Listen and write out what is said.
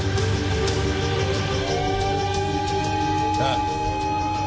ああ。